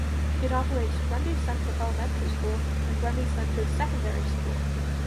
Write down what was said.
It operates Grundy Center Elementary School and Grundy Center Secondary School.